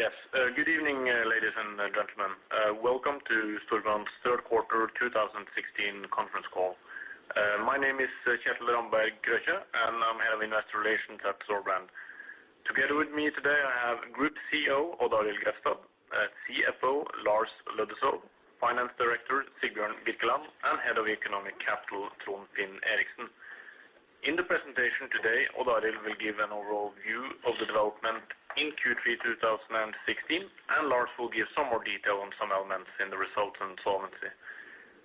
Yes. Good evening, ladies and gentlemen. Welcome to Storebrand's third quarter 2016 conference call. My name is Kjetil Ramberg Krøkje, and I'm Head of Investor Relations at Storebrand. Together with me today, I have Group CEO Odd Arild Grefstad, CFO Lars Aasulv Løddesøl, Finance Director Sigbjørn Birkeland, and Head of Economic Capital Trond Finn Eriksen. In the presentation today, Odd Arild will give an overall view of the development in Q3 2016, and Lars will give some more detail on some elements in the results and solvency.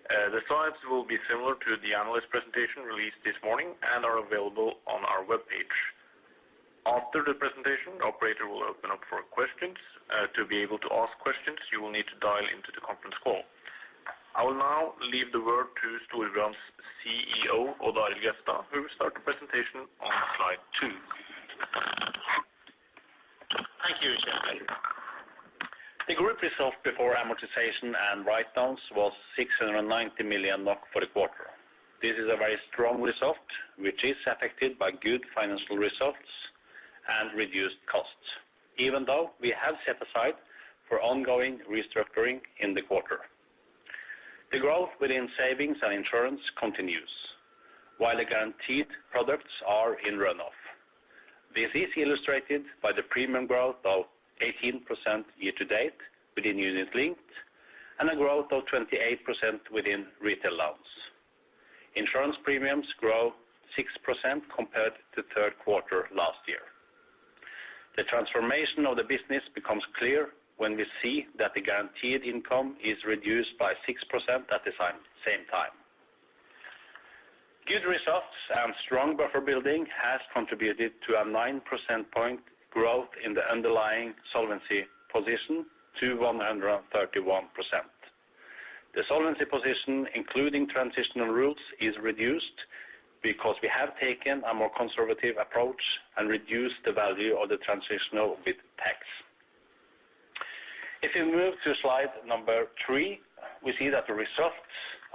The slides will be similar to the analyst presentation released this morning and are available on our webpage. After the presentation, the operator will open up for questions. To be able to ask questions, you will need to dial into the conference call. I will now leave the word to Storebrand's CEO, Odd Arild Grefstad, who will start the presentation on slide two. Thank you, Kjetil. The group result before amortization and write-downs was 690 million NOK for the quarter. This is a very strong result, which is affected by good financial results and reduced costs, even though we have set aside for ongoing restructuring in the quarter. The growth within savings and insurance continues, while the guaranteed products are in runoff. This is illustrated by the premium growth of 18% year to date within unit linked, and a growth of 28% within retail loans. Insurance premiums grow 6% compared to third quarter last year. The transformation of the business becomes clear when we see that the guaranteed income is reduced by 6% at the same time. Good results and strong buffer building has contributed to a 9 percentage point growth in the underlying solvency position to 131%. The solvency position, including transitional rules, is reduced because we have taken a more conservative approach and reduced the value of the transitional with tax. If you move to slide number three, we see that the results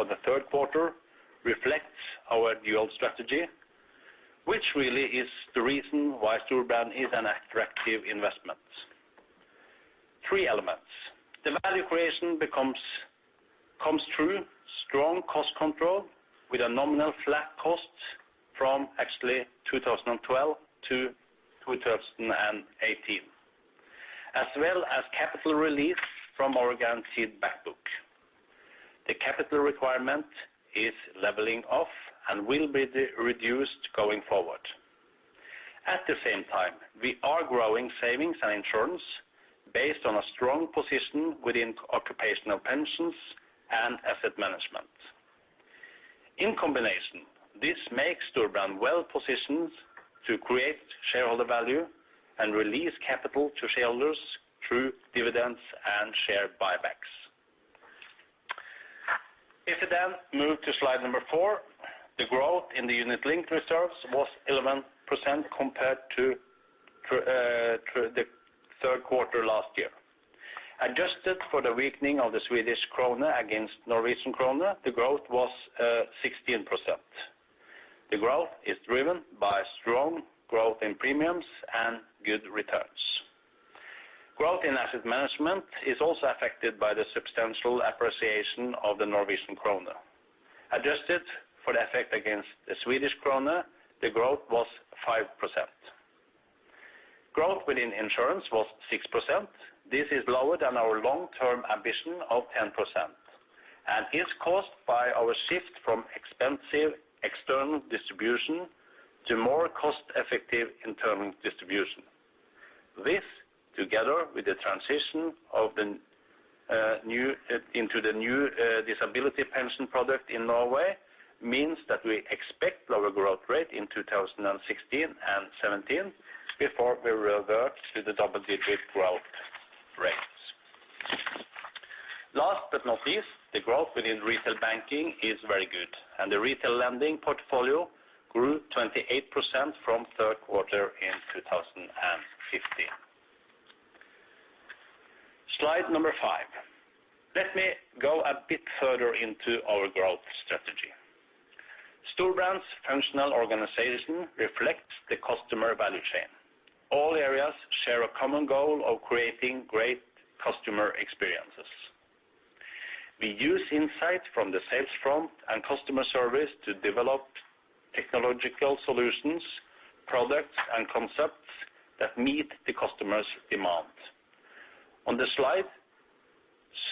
of the third quarter reflects our dual strategy, which really is the reason why Storebrand is an attractive investment. Three elements. The value creation becomes, comes through strong cost control, with a nominal flat cost from actually 2012 to 2018, as well as capital release from our guaranteed back book. The capital requirement is leveling off and will be reduced going forward. At the same time, we are growing savings and insurance based on a strong position within occupational pensions and asset management. In combination, this makes Storebrand well positioned to create shareholder value and release capital to shareholders through dividends and share buybacks. If you then move to slide number four, the growth in the unit linked reserves was 11% compared to the third quarter last year. Adjusted for the weakening of the Swedish krona against Norwegian krone, the growth was 16%. The growth is driven by strong growth in premiums and good returns. Growth in asset management is also affected by the substantial appreciation of the Norwegian krone. Adjusted for the effect against the Swedish krona, the growth was 5%. Growth within insurance was 6%. This is lower than our long-term ambition of 10%, and is caused by our shift from expensive external distribution to more cost-effective internal distribution. This, together with the transition of the new into the new disability pension product in Norway, means that we expect lower growth rate in 2016 and 2017 before we revert to the double-digit growth rates. Last but not least, the growth within retail banking is very good, and the retail lending portfolio grew 28% from third quarter in 2015. Slide number five. Let me go a bit further into our growth strategy. Storebrand's functional organization reflects the customer value chain. All areas share a common goal of creating great customer experiences. We use insights from the sales front and customer service to develop technological solutions, products, and concepts that meet the customer's demands. On this slide,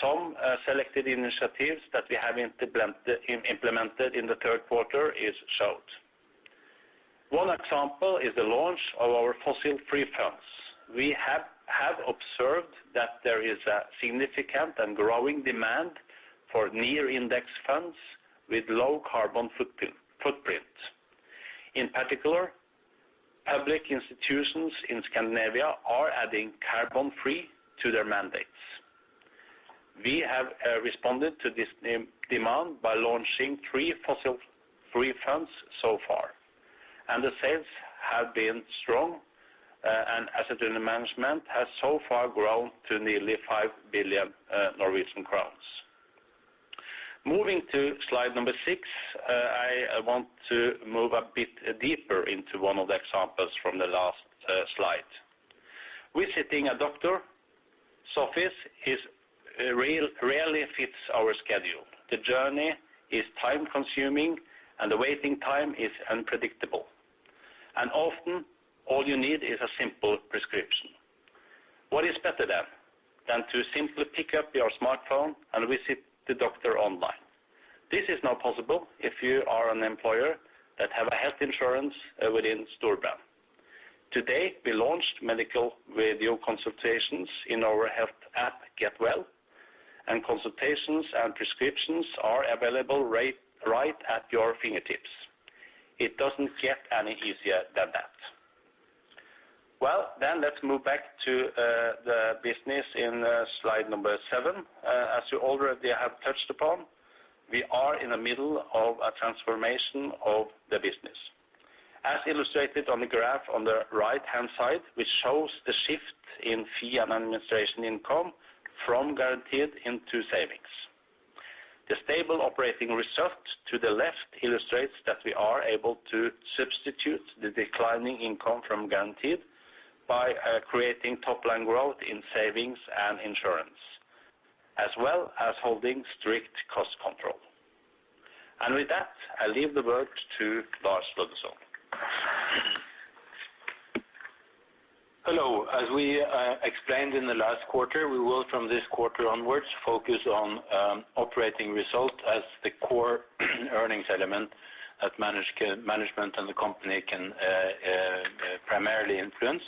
some selected initiatives that we have implemented in the third quarter are shown. One example is the launch of our fossil-free funds. We have observed that there is a significant and growing demand for near index funds with low carbon footprint. In particular, public institutions in Scandinavia are adding carbon-free to their mandates. We have responded to this demand by launching three fossil free funds so far, and the sales have been strong, and asset under management has so far grown to nearly 5 billion Norwegian crowns. Moving to slide number six, I want to move a bit deeper into one of the examples from the last slide. Visiting a doctor's office is rarely fits our schedule. The journey is time consuming, and the waiting time is unpredictable, and often all you need is a simple prescription. What is better then, than to simply pick up your smartphone and visit the doctor online? This is now possible if you are an employer that have a health insurance within Storebrand. Today, we launched medical video consultations in our health app, Get Well, and consultations and prescriptions are available right, right at your fingertips. It doesn't get any easier than that. Well, then let's move back to the business in slide number seven. As you already have touched upon, we are in the middle of a transformation of the business. As illustrated on the graph on the right-hand side, which shows the shift in fee and administration income from guaranteed into savings. The stable operating result to the left illustrates that we are able to substitute the declining income from guaranteed by creating top line growth in savings and insurance, as well as holding strict cost control. And with that, I leave the word to Lars Aasulv Løddesøl. Hello. As we explained in the last quarter, we will, from this quarter onwards, focus on operating result as the core earnings element that management and the company can primarily influence,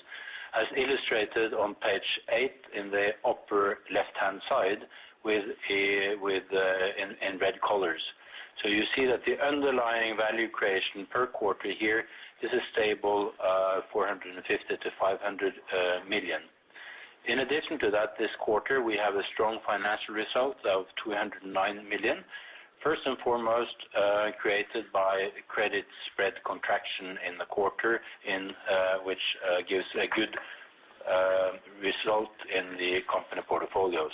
as illustrated on page eight in the upper left-hand side with in red colors. So you see that the underlying value creation per quarter here is a stable 450-500 million. In addition to that, this quarter, we have a strong financial result of 209 million. First and foremost, created by credit spread contraction in the quarter, in which gives a good result in the company portfolios.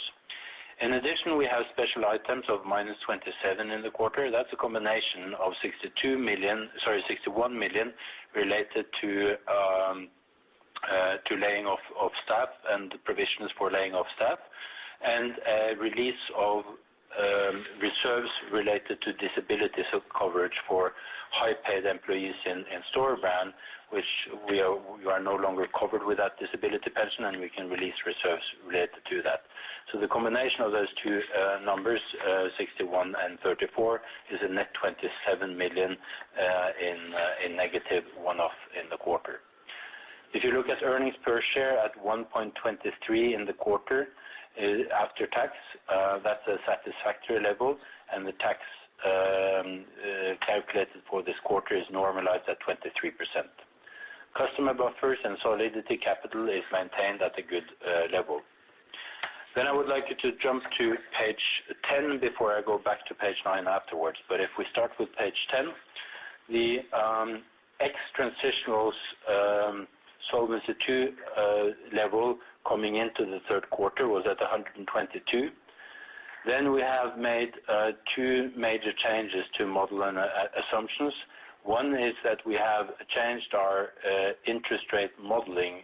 In addition, we have special items of -27 million in the quarter. That's a combination of 62 million, sorry, 61 million, related to laying off of staff and provisions for laying off staff, and a release of reserves related to disability. So coverage for high-paid employees in Storebrand, which we are no longer covered with that disability pension, and we can release reserves related to that. So the combination of those two numbers, 61 and 34, is a net 27 million in negative one-off in the quarter. If you look at earnings per share at 1.23 in the quarter, after tax, that's a satisfactory level, and the tax calculated for this quarter is normalized at 23%. Customer buffers and solvency capital is maintained at a good level. Then I would like you to jump to page 10 before I go back to page nine afterwards, but if we start with page 10, the ex-transitional Solvency II level coming into the third quarter was at 122. Then we have made two major changes to model and assumptions. One is that we have changed our interest rate modeling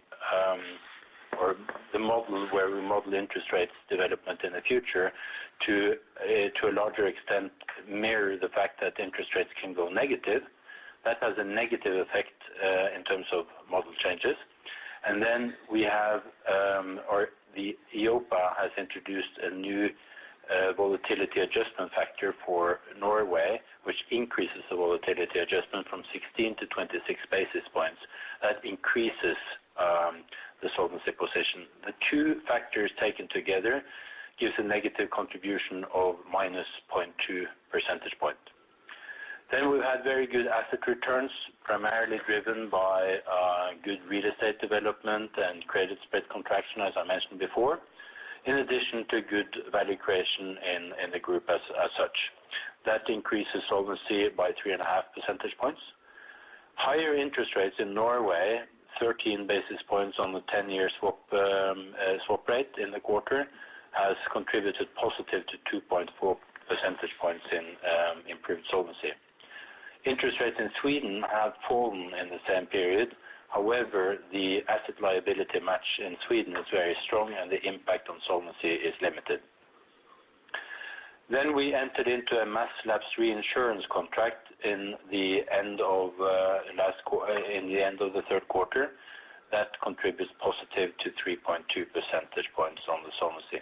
or the model where we model interest rates development in the future, to a larger extent mirror the fact that interest rates can go negative. That has a negative effect in terms of model changes. And then the EIOPA has introduced a new volatility adjustment factor for Norway, which increases the volatility adjustment from 16 to 26 basis points. That increases the solvency position. The two factors taken together gives a negative contribution of -0.2 percentage point. Then we've had very good asset returns, primarily driven by good real estate development and credit spread contraction, as I mentioned before, in addition to good value creation in the group as such. That increases solvency by 3.5 percentage points. Higher interest rates in Norway, 13 basis points on the 10-year swap rate in the quarter, has contributed positive to 2.4 percentage points in improved solvency. Interest rates in Sweden have fallen in the same period. However, the asset liability match in Sweden is very strong, and the impact on solvency is limited. Then we entered into a mass lapse reinsurance contract in the end of the third quarter. That contributes positive to 3.2 percentage points on the solvency.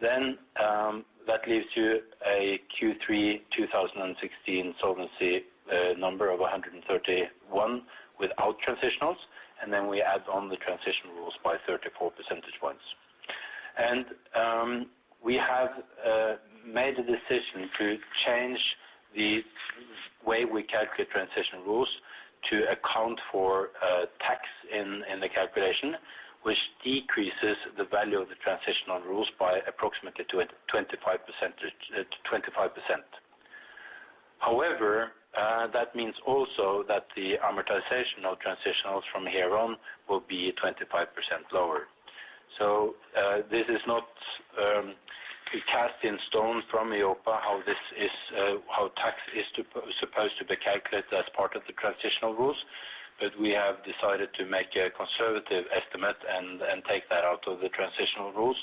Then, that leaves you a Q3 2016 solvency number of 131 without transitionals, and then we add on the transitional rules by 34 percentage points. We have made a decision to change the way we calculate transitional rules to account for tax in the calculation, which decreases the value of the transitional rules by approximately to a 25 percentage, to 25%. However, that means also that the amortization of transitionals from here on will be 25% lower. This is not cast in stone from EIOPA, how this is, how tax is supposed to be calculated as part of the transitional rules. But we have decided to make a conservative estimate and take that out of the transitional rules,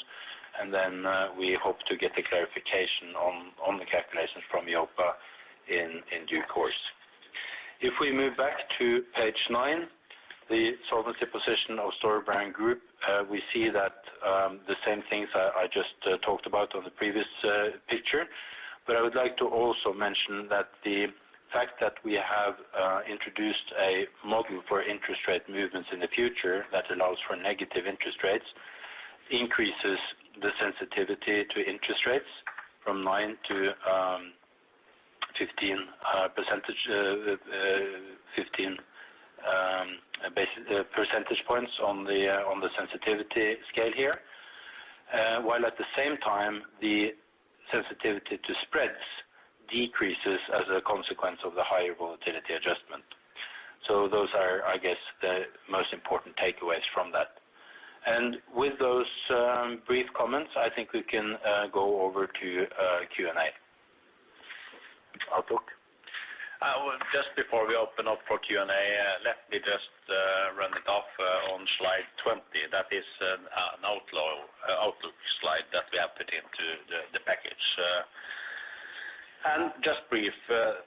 and then we hope to get the clarification on the calculations from EIOPA in due course. If we move back to page nine, the solvency position of Storebrand Group, we see that the same things I just talked about on the previous picture. But I would like to also mention that the fact that we have introduced a model for interest rate movements in the future that allows for negative interest rates, increases the sensitivity to interest rates from 9 to 15 percentage points on the sensitivity scale here. While at the same time, the sensitivity to spreads decreases as a consequence of the higher volatility adjustment. So those are, I guess, the most important takeaways from that. And with those, brief comments, I think we can go over to Q&A. Outlook? Well, just before we open up for Q&A, let me just run it off on slide 20. That is, an outlook slide that we have put into the package. And just brief,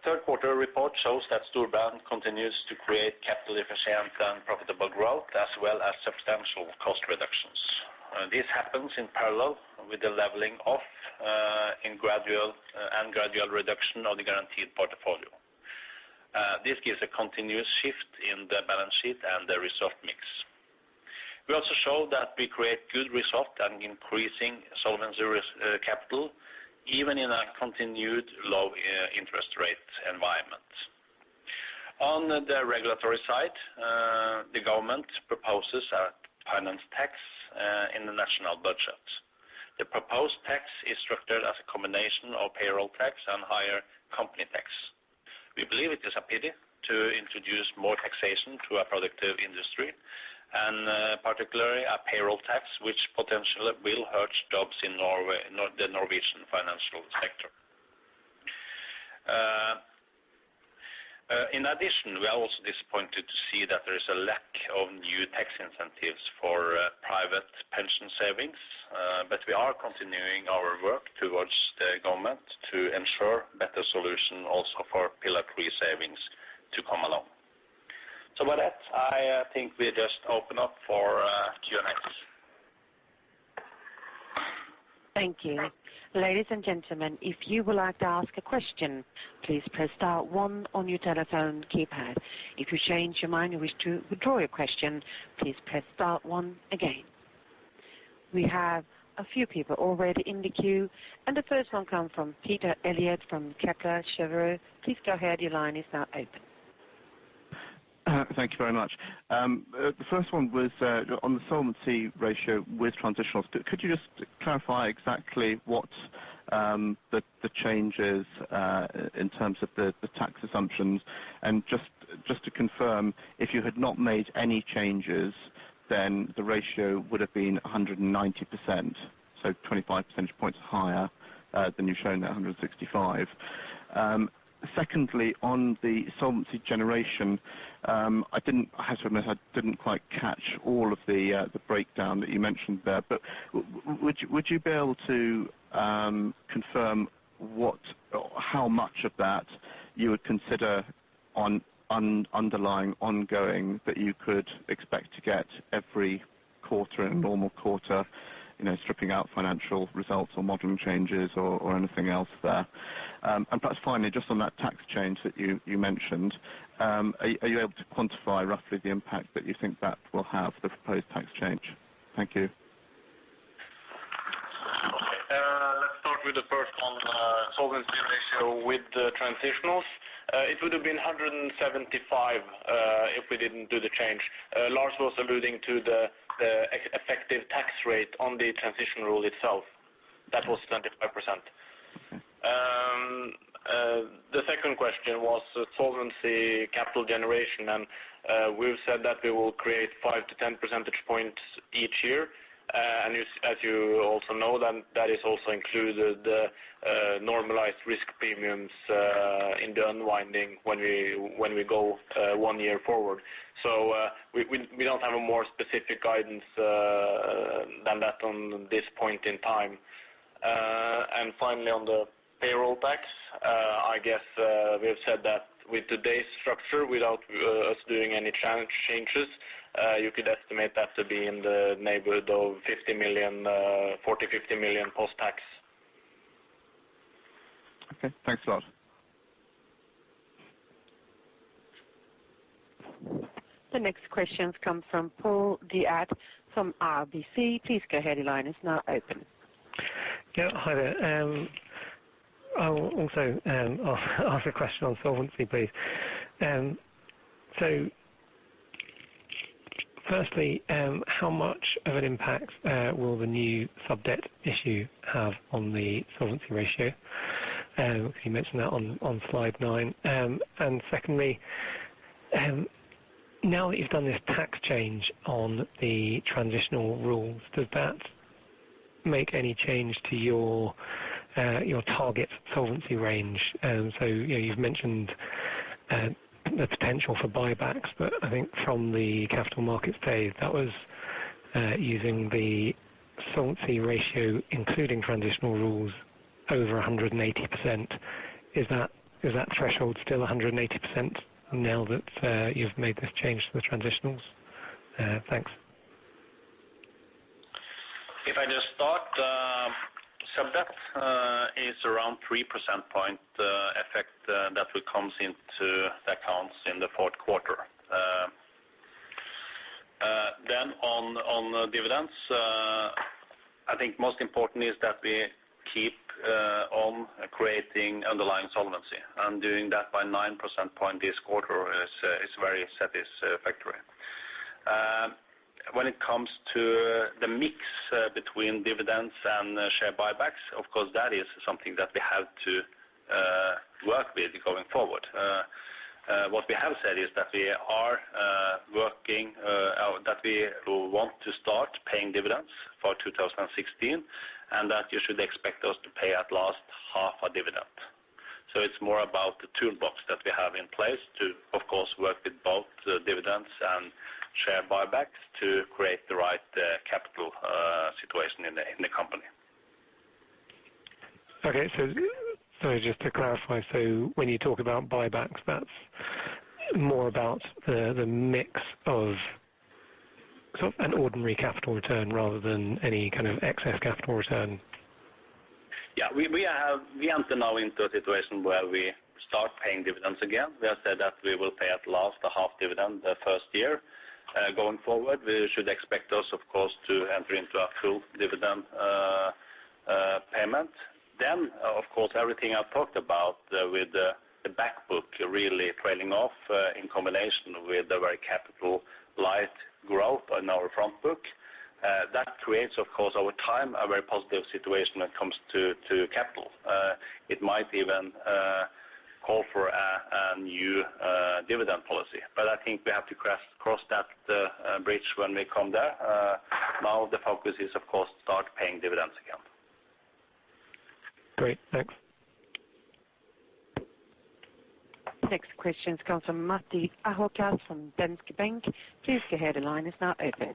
third quarter report shows that Storebrand continues to create capital efficient and profitable growth, as well as substantial cost reductions. This happens in parallel with the leveling off and gradual reduction of the guaranteed portfolio. This gives a continuous shift in the balance sheet and the result mix. We also show that we create good result and increasing solvency capital, even in a continued low interest rate environment. On the regulatory side, the government proposes a finance tax in the national budget. The proposed tax is structured as a combination of payroll tax and higher company tax. We believe it is a pity to introduce more taxation to a productive industry, and, particularly a payroll tax, which potentially will hurt jobs in Norway, the Norwegian financial sector. In addition, we are also disappointed to see that there is a lack of new tax incentives for private pension savings, but we are continuing our work towards the government to ensure better solution also for Pillar Three savings to come along. So with that, I think we just open up for Q&A. Thank you. Ladies and gentlemen, if you would like to ask a question, please press star one on your telephone keypad. If you change your mind and wish to withdraw your question, please press star one again. We have a few people already in the queue, and the first one comes from Peter Eliot from Kepler Cheuvreux. Please go ahead, your line is now open. Thank you very much. The first one was on the solvency ratio with transitionals. Could you just clarify exactly what the change is in terms of the tax assumptions? And just to confirm, if you had not made any changes, then the ratio would have been 190%, so 25 percentage points higher than you've shown at 165. Secondly, on the solvency generation, I have to admit, I didn't quite catch all of the breakdown that you mentioned there. But would you be able to confirm what or how much of that you would consider underlying ongoing that you could expect to get every quarter, in a normal quarter? You know, stripping out financial results or modeling changes or anything else there. Perhaps finally, just on that tax change that you mentioned, are you able to quantify roughly the impact that you think that will have, the proposed tax change? Thank you. Okay, let's start with the first one, solvency ratio with the transitionals. It would have been 175, if we didn't do the change. Lars was alluding to the effective tax rate on the transition rule itself. That was 25%. The second question was solvency capital generation, and we've said that we will create 5-10 percentage points each year. And as you also know, then that is also included, the normalized risk premiums, in the unwinding when we go one year forward. So, we don't have a more specific guidance than that on this point in time. And finally, on the payroll tax, I guess, we have said that with today's structure, without us doing any change, changes, you could estimate that to be in the neighborhood of 50 million, 40 million-50 million post-tax. Okay, thanks a lot. The next question comes from Paul De'Ath from RBC. Please go ahead, your line is now open. Yeah, hi there. I will also ask a question on solvency, please. So...... firstly, how much of an impact will the new sub debt issue have on the solvency ratio? You mentioned that on, on slide 9. And secondly, now that you've done this tax change on the transitional rules, does that make any change to your, your target solvency range? So, you know, you've mentioned the potential for buybacks, but I think from the Capital Markets Day, that was using the solvency ratio, including transitional rules over 180%. Is that, is that threshold still 180% now that you've made this change to the transitionals? Thanks. If I just start, subdebt is around 3 percentage point effect that will come into the accounts in the fourth quarter. On dividends, I think most important is that we keep on creating underlying solvency, and doing that by 9 percentage point this quarter is very satisfactory. When it comes to the mix between dividends and share buybacks, of course, that is something that we have to work with going forward. What we have said is that we are working, or that we want to start paying dividends for 2016, and that you should expect us to pay at least half a dividend. It's more about the toolbox that we have in place to, of course, work with both dividends and share buybacks to create the right capital situation in the company. Okay, so just to clarify, so when you talk about buybacks, that's more about the mix of sort of an ordinary capital return rather than any kind of excess capital return? Yeah, we enter now into a situation where we start paying dividends again. We have said that we will pay at least a half dividend the first year. Going forward, you should expect us, of course, to enter into a full dividend payment. Then, of course, everything I've talked about with the back book really trailing off in combination with the very capital-light growth in our front book that creates, of course, over time, a very positive situation when it comes to capital. It might even call for a new dividend policy. But I think we have to cross that bridge when we come to it. Now the focus is, of course, to start paying dividends again. Great. Thanks. Next question comes from Matti Ahokas from Danske Bank. Please go ahead, the line is now open.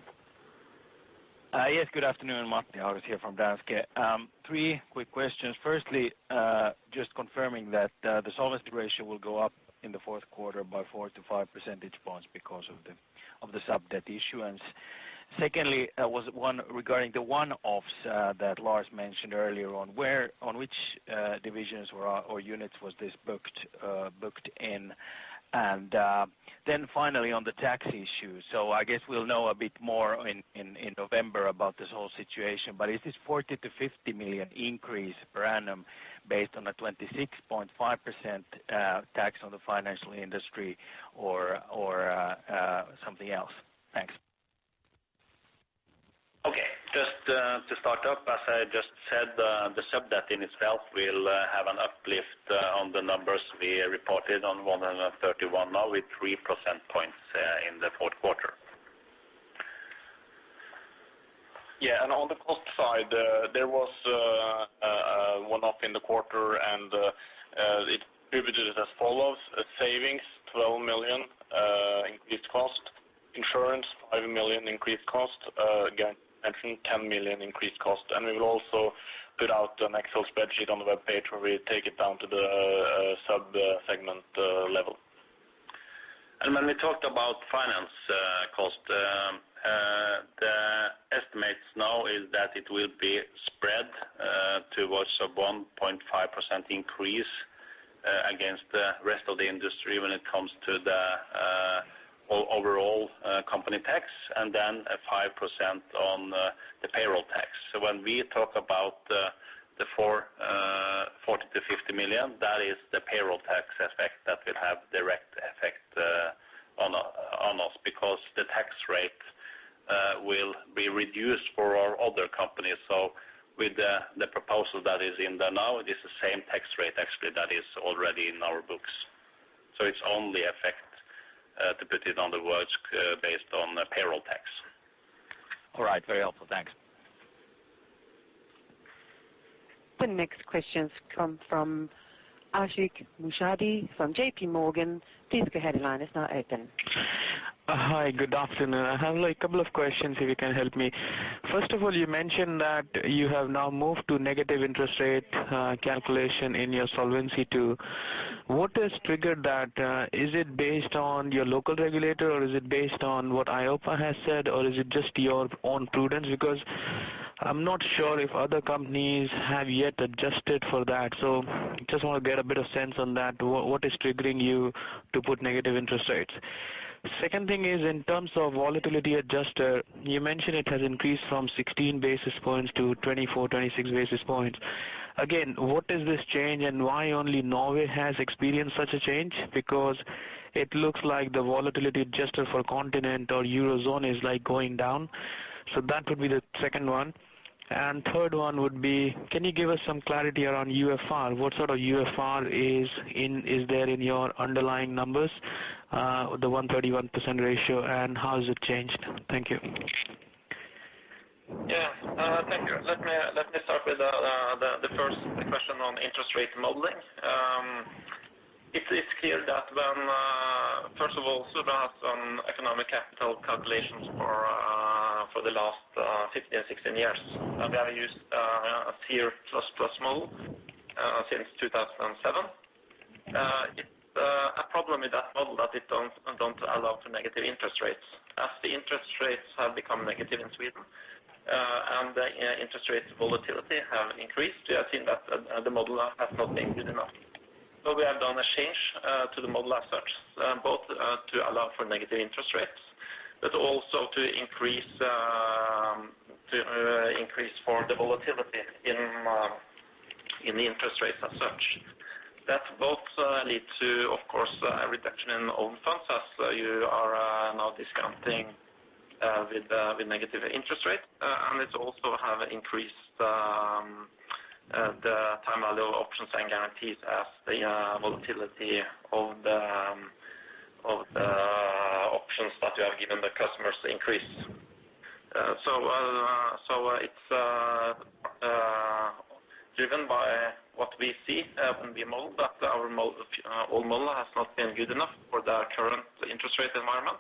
Yes, good afternoon, Matti Ahokas here from Danske. Three quick questions. Firstly, just confirming that the solvency ratio will go up in the fourth quarter by 4-5 percentage points because of the subdebt issuance. Secondly, was one regarding the one-offs that Lars mentioned earlier on, where on which divisions or units was this booked in? And then finally on the tax issue. So I guess we'll know a bit more in November about this whole situation, but is this 40 million-50 million increase per annum based on a 26.5% tax on the financial industry or something else? Thanks. Okay. Just to start up, as I just said, the sub debt in itself will have an uplift on the numbers we reported on 131 now with 3 percentage points in the fourth quarter. Yeah, and on the cost side, there was one up in the quarter, and it pivoted as follows: savings, 12 million, increased cost, insurance, 5 million increased cost, again, entering 10 million increased cost. And we will also put out an Excel spreadsheet on the web page where we take it down to the sub segment level. When we talked about finance, cost, the estimates now is that it will be spread towards a 1.5% increase against the rest of the industry when it comes to the overall company tax, and then a 5% on the payroll tax. So when we talk about the 40-50 million, that is the payroll tax effect that will have direct effect on us, because the tax rate will be reduced for our other companies. So with the proposal that is in there now, it is the same tax rate actually that is already in our books. So it's only affect to put it on the words based on the payroll tax. All right. Very helpful. Thanks. The next questions come from Ashik Musaddi from J.P. Morgan. Please go ahead, line is now open. Hi, good afternoon. I have a couple of questions, if you can help me. First of all, you mentioned that you have now moved to negative interest rate calculation in your Solvency II. What has triggered that? Is it based on your local regulator, or is it based on what EIOPA has said, or is it just your own prudence? Because I'm not sure if other companies have yet adjusted for that, so just want to get a bit of sense on that. What is triggering you to put negative interest rates? Second thing is, in terms of volatility adjustment, you mentioned it has increased from 16 basis points to 24-26 basis points. Again, what is this change, and why only Norway has experienced such a change? Because it looks like the volatility adjustment for continent or Eurozone is, like, going down. So that would be the second one. And third one would be, can you give us some clarity around UFR? What sort of UFR is in, is there in your underlying numbers, the 131% ratio, and how has it changed? Thank you. Yeah, thank you. Let me start with the first question on interest rate modeling. It's clear that when first of all, SPP has some economic capital calculations for the last 15 or 16 years. And they have used a CIR++ model since 2007. It's a problem with that model that it don't allow for negative interest rates. As the interest rates have become negative in Sweden, and the interest rate volatility have increased, we have seen that the model has not been good enough. So we have done a change to the model as such, both to allow for negative interest rates, but also to increase for the volatility in the interest rates as such. That both lead to, of course, a reduction in Own Funds, as you are now discounting with negative interest rates. And it also have increased the Time Value of Options and Guarantees as the volatility of the options that you have given the customers increase. So it's driven by what we see when we model, that our old model has not been good enough for the current interest rate environment,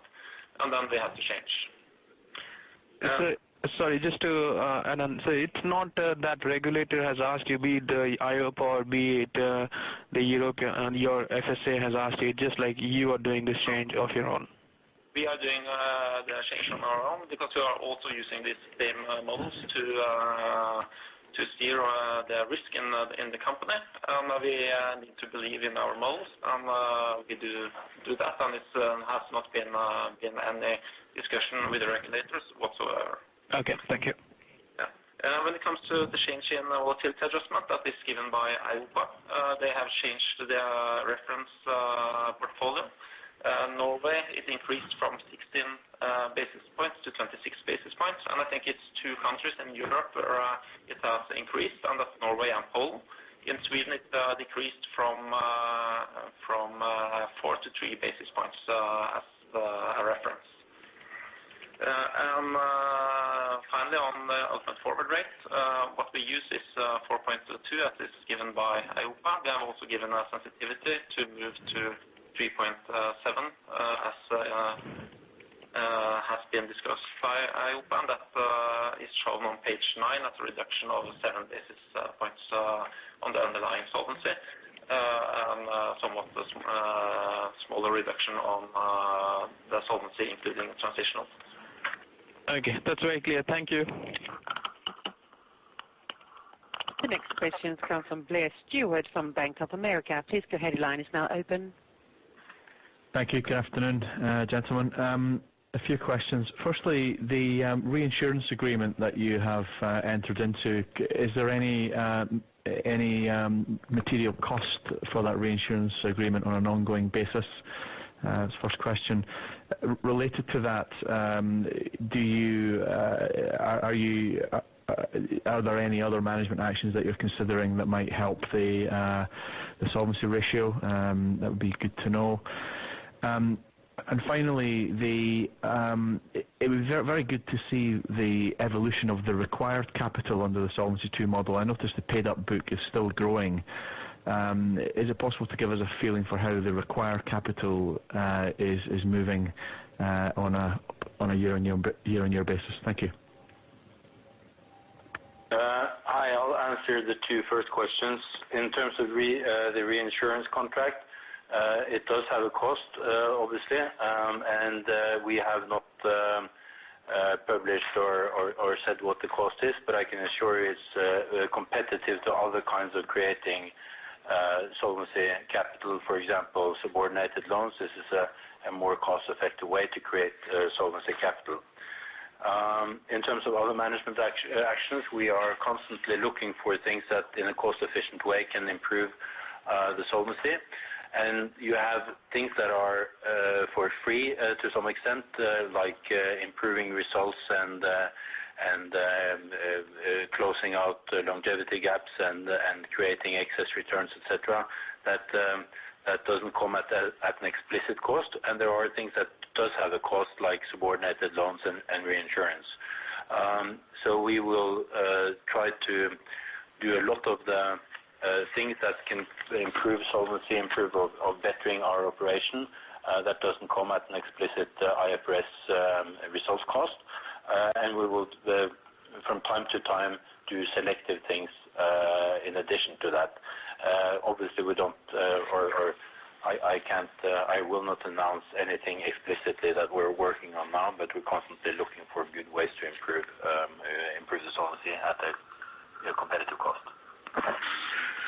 and then we have to change. Sorry, just to, and then, it's not that regulator has asked you, be it the EIOPA, be it the European FSA has asked you, just like you are doing this change of your own? We are doing the change on our own because we are also using these same models to steer the risk in the company. We need to believe in our models, and we do that, and it has not been any discussion with the regulators whatsoever. Okay, thank you. Yeah. When it comes to the change in volatility adjustment that is given by EIOPA, they have changed their reference portfolio. Norway, it increased from 16 basis points to 26 basis points, and I think it's two countries in Europe where it has increased, and that's Norway and Poland. In Sweden, it decreased from 4 to 3 basis points as a reference. Finally, on the forward rates, what we use is 4.2, as is given by EIOPA. They have also given a sensitivity to move to 3.7 as has been discussed by EIOPA, and that is shown on page 9 as a reduction of 7 basis points on the underlying solvency. Somewhat smaller reduction on the solvency, including transitional. Okay. That's very clear. Thank you. The next question comes from Blair Stewart, from Bank of America. Please, your line is now open. Thank you. Good afternoon, gentlemen. A few questions. Firstly, the reinsurance agreement that you have entered into, is there any material cost for that reinsurance agreement on an ongoing basis? That's the first question. Related to that, are there any other management actions that you're considering that might help the solvency ratio? That would be good to know. And finally, it was very good to see the evolution of the required capital under the Solvency II model. I noticed the paid-up book is still growing. Is it possible to give us a feeling for how the required capital is moving on a year-on-year basis? Thank you. I'll answer the two first questions. In terms of the reinsurance contract, it does have a cost, obviously, and we have not published or said what the cost is, but I can assure you it's competitive to other kinds of creating solvency and capital, for example, subordinated loans. This is a more cost-effective way to create solvency capital. In terms of other management actions, we are constantly looking for things that, in a cost-efficient way, can improve the solvency. And you have things that are for free, to some extent, like improving results and closing out longevity gaps and creating excess returns, et cetera. That doesn't come at an explicit cost, and there are things that does have a cost, like subordinated loans and reinsurance. So we will try to do a lot of the things that can improve solvency, improve of bettering our operation. That doesn't come at an explicit IFRS results cost, and we will from time to time do selective things in addition to that. Obviously, we don't or I can't I will not announce anything explicitly that we're working on now, but we're constantly looking for good ways to improve improve the solvency at a competitive cost.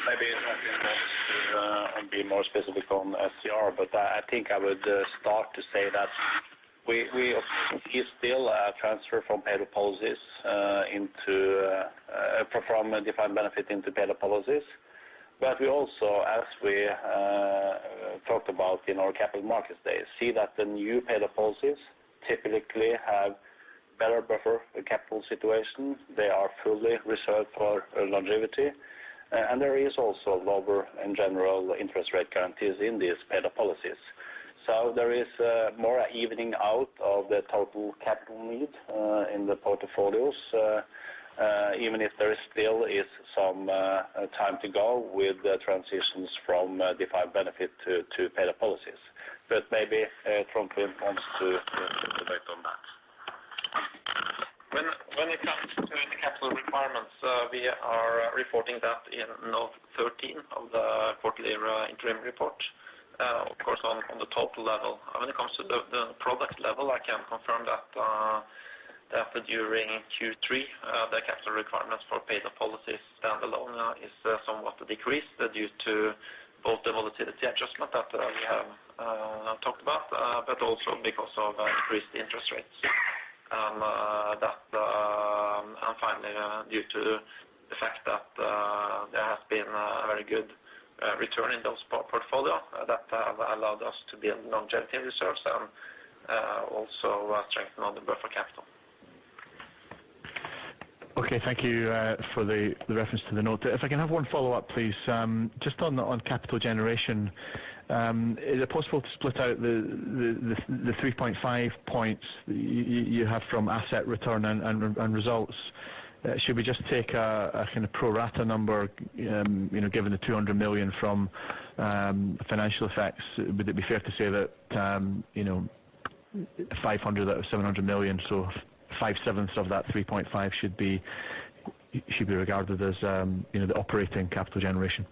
Maybe I can be more specific on SCR, but I think I would start to say that we is still a transfer from a Defined Benefit into paid-up policies. But we also, as we talked about in our Capital Markets Day, see that the new paid-up policies typically have better buffer capital situation. They are fully reserved for longevity, and there is also lower in general interest rate guarantees in these paid-up policies. So there is more evening out of the total capital need in the portfolios, even if there still is some time to go with the transitions from Defined Benefit to paid-up policies. But maybe Trond Finn wants to elaborate on that. When it comes to any capital requirements, we are reporting that in note 13 of the quarterly, interim report. Of course, on the total level. When it comes to the product level, I can confirm that during Q3, the capital requirements for paid policies standalone is somewhat decreased due to both the volatility adjustment that we have talked about, but also because of increased interest rates. That and finally, due to the fact that there has been a very good return in those portfolio that have allowed us to build longevity reserves and also strengthen on the buffer capital. Okay, thank you for the reference to the note. If I can have one follow-up, please. Just on capital generation, is it possible to split out the 3.5 points you have from asset return and results? Should we just take a kind of pro rata number, you know, given the 200 million from financial effects, would it be fair to say that, you know, 500 million out of 700 million, so 5/7 of that 3.5 should be regarded as, you know, the operating capital generation?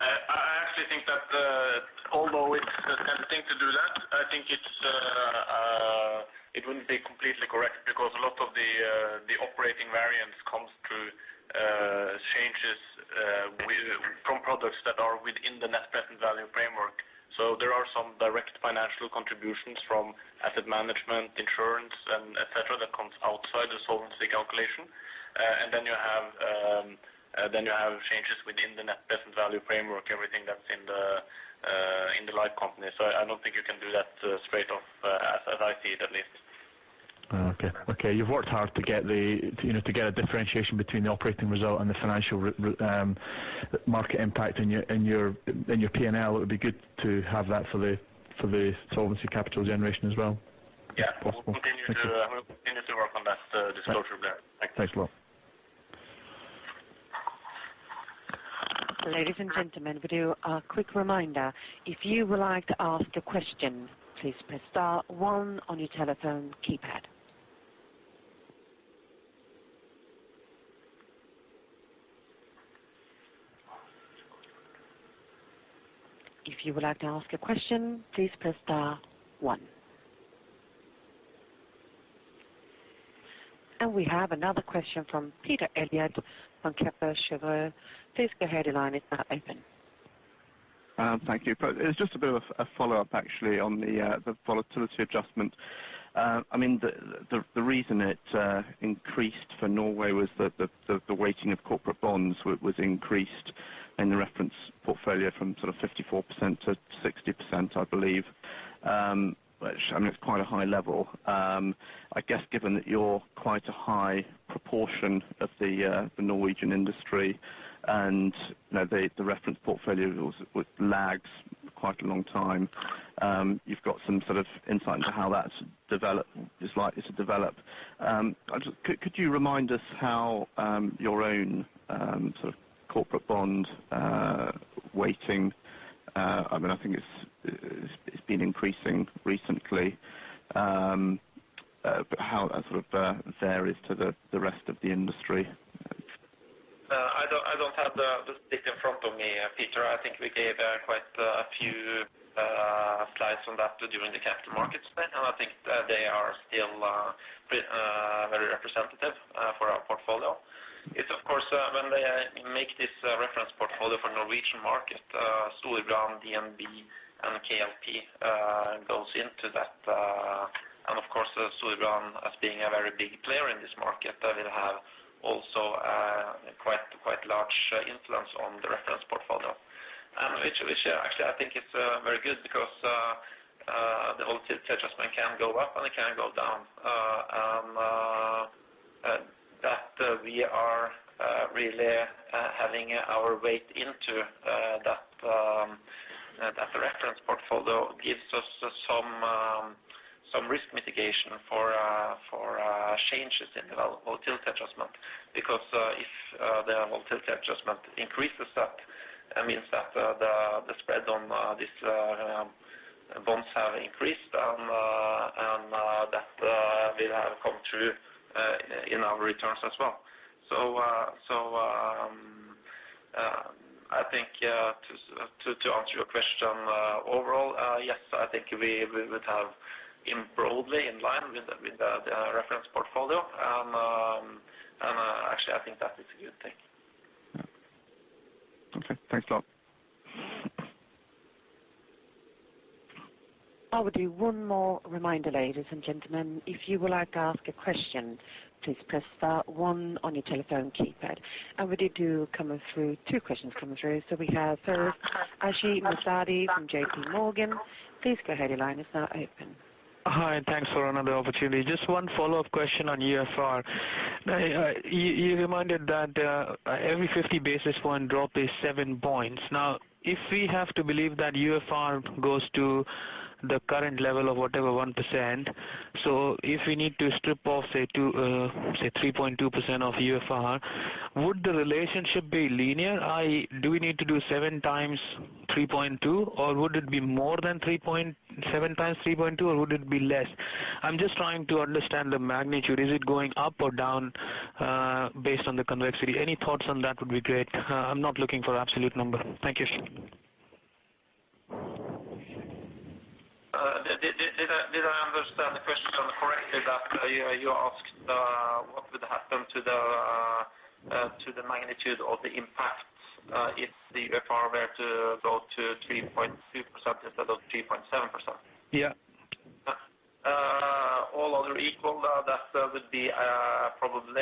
I actually think that, although it's a tempting thing to do that, I think it's it wouldn't be completely correct because a lot of the the operating variance comes through changes with from products that are within the net present value framework. So there are some direct financial contributions from asset management, insurance, and et cetera, that comes outside the solvency calculation. And then you have changes within the net present value framework, everything that's in the in the life company. So I don't think you can do that straight off, as I see it, at least. Ah, okay. Okay, you've worked hard, you know, to get a differentiation between the operating result and the financial market impact in your PNL. It would be good to have that for the solvency capital generation as well. Yeah. If possible. We'll continue to, we'll continue to work on that, disclosure there. Thanks a lot. Ladies and gentlemen, we do a quick reminder. If you would like to ask a question, please press star one on your telephone keypad. If you would like to ask a question, please press star one. We have another question from Peter Eliot from Kepler Cheuvreux. Please go ahead, the line is now open. Thank you. But it's just a bit of a follow-up, actually, on the Volatility Adjustment. I mean, the reason it increased for Norway was that the weighting of corporate bonds was increased in the reference portfolio from sort of 54%-60%, I believe. Which, I mean, it's quite a high level. I guess, given that you're quite a high proportion of the Norwegian industry, and, you know, the reference portfolio was, with lags quite a long time, you've got some sort of insight into how that's developed, is likely to develop. I just could you remind us how your own sort of corporate bond weighting, I mean, I think it's been increasing recently, but how that sort of varies to the rest of the industry? I don't have the stick in front of me, Peter. I think we gave quite a few slides on that during the capital markets event, and I think they are still very representative for our portfolio. It's of course when they make this reference portfolio for Norwegian market, Storebrand, DNB, and KLP goes into that, and of course, Storebrand as being a very big player in this market will have also quite large influence on the reference portfolio. Which actually, I think is very good because the volatility adjustment can go up and it can go down. That we are really having our weight into, that reference portfolio gives us some risk mitigation for changes in the volatility adjustment. Because if the volatility adjustment increases, that means that the spread on these bonds have increased, and that will have come through in our returns as well. I think, to answer your question, overall, yes, I think we would have in broadly in line with the reference portfolio. And actually, I think that is a good thing. Okay, thanks a lot. I will do one more reminder, ladies and gentlemen. If you would like to ask a question, please press star one on your telephone keypad. And we have two questions coming through. So we have first, Ashik Musaddi from J.P. Morgan. Please go ahead. Your line is now open. Hi, and thanks for another opportunity. Just one follow-up question on UFR. You, you reminded that every 50 basis point drop is 7 points. Now, if we have to believe that UFR goes to the current level of whatever, 1%, so if we need to strip off, say, two, say 3.2% of UFR, would the relationship be linear? Do we need to do 7x3.2, or would it be more than 7x3.2, or would it be less? I'm just trying to understand the magnitude. Is it going up or down based on the convexity? Any thoughts on that would be great. I'm not looking for absolute number. Thank you. Did I understand the question correctly, that you asked what would happen to the magnitude of the impact, if the UFR were to go to 3.2% instead of 3.7%? Yeah. All other equal, that would be probably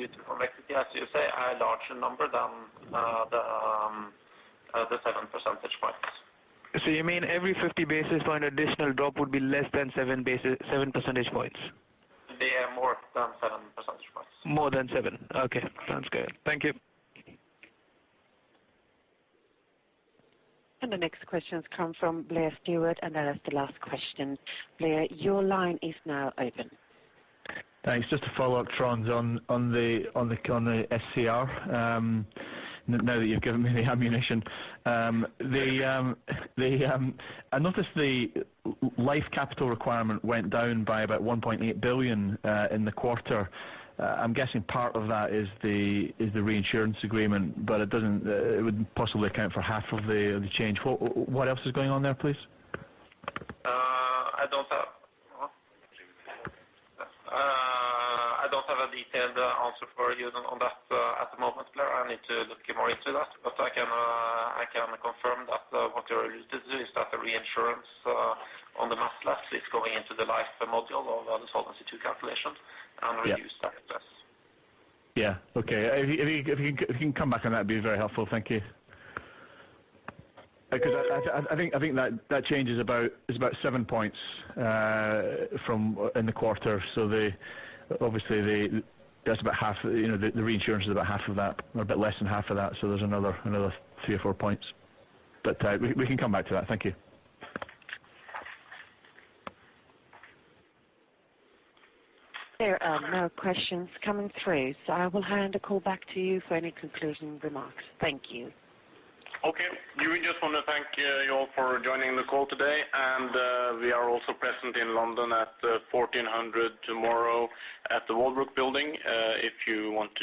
due to complexity, as you say, a larger number than the 7 percentage points. You mean every 50 basis point additional drop would be less than 7 percentage points? It'd be more than 7 percentage points. More than seven. Okay, sounds good. Thank you. The next question comes from Blair Stewart, and that is the last question. Blair, your line is now open. Thanks. Just to follow up, Trond, on the SCR, now that you've given me the ammunition. I noticed the life capital requirement went down by about 1.8 billion in the quarter. I'm guessing part of that is the reinsurance agreement, but it doesn't, it wouldn't possibly account for half of the change. What else is going on there, please? I don't have a detailed answer for you on that at the moment, Blair. I need to look more into that, but I can confirm that what you are is that the reinsurance on the mass lapse is going into the life module of the Solvency II calculation- Yeah. and reduce that risk. Yeah, okay. If you can come back on that, it'd be very helpful. Thank you. Because I think that change is about seven points from in the quarter. So obviously that's about half, you know, the reinsurance is about half of that, or a bit less than half of that, so there's another three or four points. But we can come back to that. Thank you. There are no questions coming through, so I will hand the call back to you for any concluding remarks. Thank you. Okay. We just want to thank you all for joining the call today, and we are also present in London at 2:00 P.M. tomorrow at the Walbrook Building, if you want to-